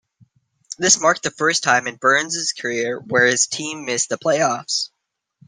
This marked the first time in Burns' career where his team missed the playoffs.